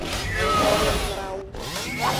Towo nyra wu.